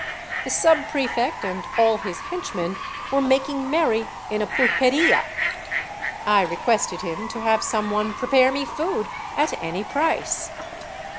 The subprefect and all his henchmen were making merry in a pulperia. I requested him to have some one pre pare me food, at any price.